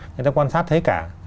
người ta quan sát thế cả